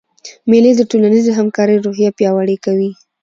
مېلې د ټولنیزي همکارۍ روحیه پیاوړې کوي.